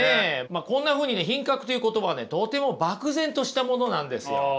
こんなふうにね品格という言葉はねとても漠然としたものなんですよ。